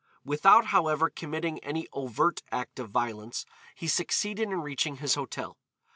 Without, however, committing any overt act of violence, he succeeded in reaching his hotel.